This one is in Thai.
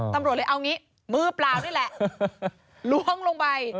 ตำรวจเลยเอาอย่างนี้เมื่อเปล่านี่แหละ